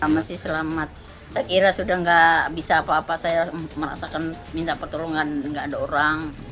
masih selamat saya kira sudah tidak bisa apa apa saya merasakan minta pertolongan nggak ada orang